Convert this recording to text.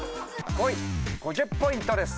５位５０ポイントです。